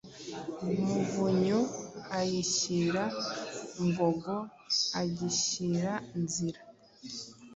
Muvunyu ayishyira Ngogo , agishyira nzira ,